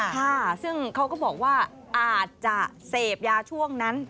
ค่ะซึ่งเขาก็บอกว่าอาจจะเสพยาช่วงนั้น